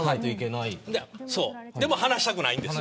でも放したくないんです。